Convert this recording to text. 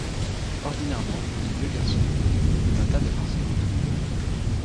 Ordinairement les vieux garçons… c’est un tas de farceurs…